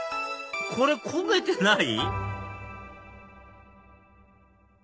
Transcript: これ焦げてない？